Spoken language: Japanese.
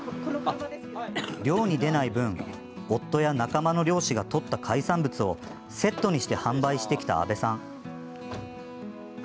漁に出ない分夫や仲間の漁師が取った海産物をセットにして販売してきた阿部さん。